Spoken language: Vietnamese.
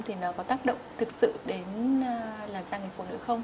thì nó có tác động thực sự đến làn da người phụ nữ không